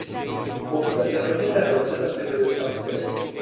Pohřben je v rodinné hrobce na hřbitově v Sadské.